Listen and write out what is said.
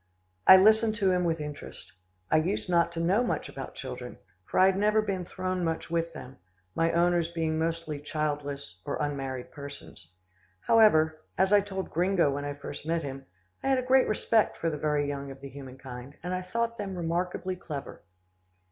I listened to him with interest. I used not to know much about children, for I had never been thrown much with them, my owners being mostly childless or unmarried persons. However, as I told Gringo when I first met him, I had a great respect for the very young of the human kind, and I thought them remarkably clever.